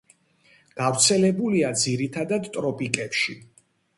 გავრცელებულია ძირითადად ტროპიკებში.